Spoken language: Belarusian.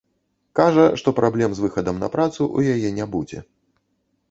Кажа, што праблем з выхадам на працу ў яе не будзе.